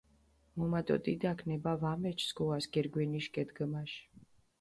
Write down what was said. მუმა დო დიდაქ ნება ვამეჩჷ სქუას გირგვინიში გედგჷმაში.